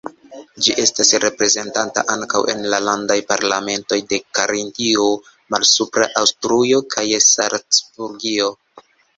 Ĝi estas reprezentata ankaŭ en la landaj parlamentoj de Karintio, Malsupra Aŭstrujo kaj Salcburgio.